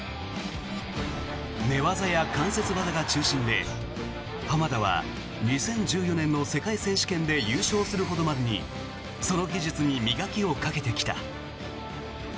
寝技や関節技が中心で浜田は２０１４年の世界選手権で優勝するほどまでにその技術に磨きをかけてきた。